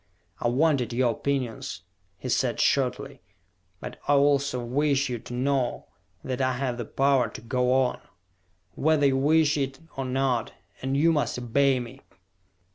"I wanted your opinions," he said shortly. "But I also wish you to know that I have the power to go on, whether you wish it or not _and you must obey me!